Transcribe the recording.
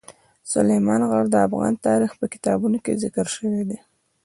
سلیمان غر د افغان تاریخ په کتابونو کې ذکر شوی دي.